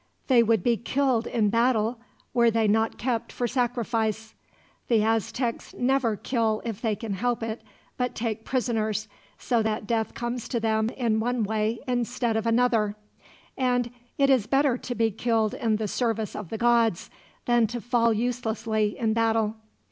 "They would be killed in battle, were they not kept for sacrifice. The Aztecs never kill if they can help it, but take prisoners, so that death comes to them in one way instead of another; and it is better to be killed in the service of the gods, than to fall uselessly in battle."